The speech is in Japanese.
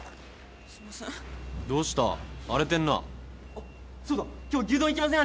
あっそうだ今日牛丼行きません？